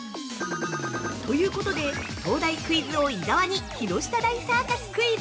◆ということで東大クイズ王・伊沢に木下大サーカスクイズ。